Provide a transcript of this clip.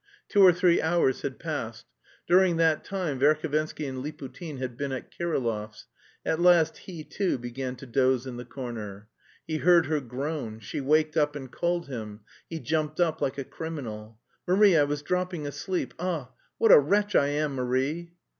Two or three hours had passed. During that time Verhovensky and Liputin had been at Kirillov's. At last he, too, began to doze in the corner. He heard her groan; she waked up and called him; he jumped up like a criminal. "Marie, I was dropping asleep.... Ah, what a wretch I am, Marie!"